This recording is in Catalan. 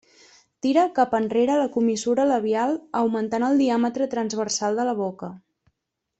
Tira cap enrere la comissura labial augmentant el diàmetre transversal de la boca.